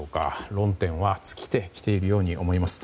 論点は尽きてきているように思えます。